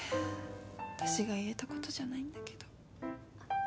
私が言えたことじゃないんだけど。